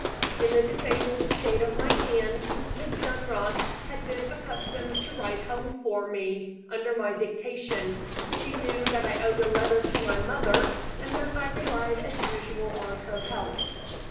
In the disabled state of my hand, Miss Dunross had been accustomed to write home for me, under my dictation: she knew that I owed a letter to my mother, and that I relied as usual on her help.